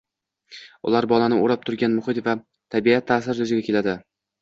ular bolani o‘rab turgan muhit va tabiat taʼsirida yuzaga keladi.